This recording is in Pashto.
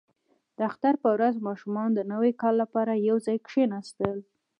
• د اختر په ورځ ماشومان د نوي کال لپاره یو ځای کښېناستل.